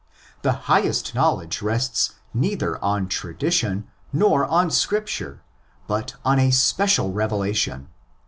The highest knowledge rests neither on tradition nor on Scripture, but on a special revelation.